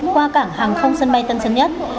qua cảng hàng không sân bay tân sơn nhất